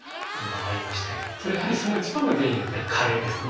やはりその一番の原因はやっぱり加齢ですね